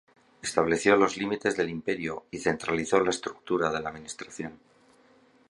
Estableció los límites del imperio y centralizó la estructura de la administración.